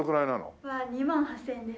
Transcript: ２万８０００円です。